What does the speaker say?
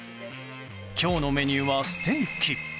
今日のメニューはステーキ。